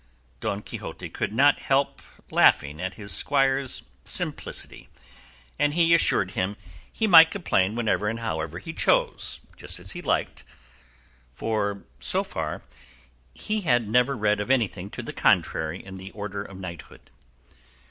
Don Quixote could not help laughing at his squire's simplicity, and he assured him he might complain whenever and however he chose, just as he liked, for, so far, he had never read of anything to the contrary in the order of knighthood.